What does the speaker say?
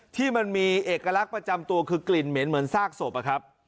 ที่มันมีเอกลักษณ์ประจำตัวคือกลิ่นเหม็นเหมือนซากศพนะครับ